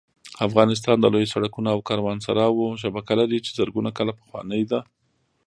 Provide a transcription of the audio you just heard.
افغانستان د لویو سړکونو او کاروانسراوو شبکه لري چې زرګونه کاله پخوانۍ ده